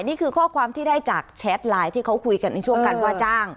นี่คือข้อความที่ได้จากแชทไลน์ที่เขาคุยกันในช่วงการว่าจ้าง